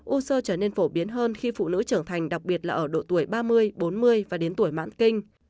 u sơ trở nên phổ biến hơn khi phụ nữ trưởng thành đặc biệt là ở độ tuổi ba mươi bốn mươi và đến tuổi mãn kinh